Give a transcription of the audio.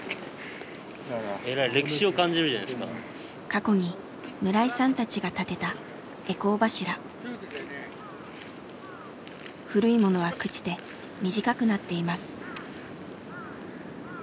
過去に村井さんたちが建てた古いものは朽ちて短くなっています。